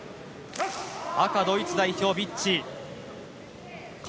赤のドイツ代表、ビッチ。